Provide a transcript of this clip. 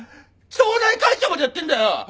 町内会長までやってんだよ！